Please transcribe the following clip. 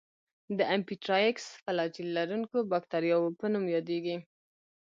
د امفيټرایکس فلاجیل لرونکو باکتریاوو په نوم یادیږي.